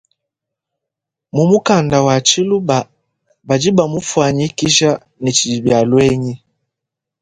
Mu mukanda wa tshiluba badi bamufuanyikishe ne tshidibialuenyi.